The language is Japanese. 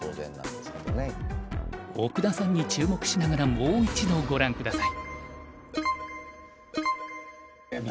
奥田さんに注目しながらもう一度ご覧下さい。